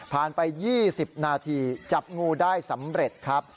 ไป๒๐นาทีจับงูได้สำเร็จครับ